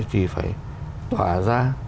thì phải tỏa ra